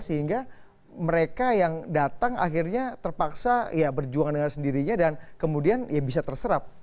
sehingga mereka yang datang akhirnya terpaksa ya berjuang dengan sendirinya dan kemudian ya bisa terserap